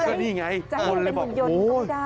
เจ้านี่ไงโฮ้ย